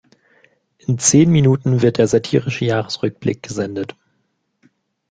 In zehn Minuten wird der satirische Jahresrückblick gesendet.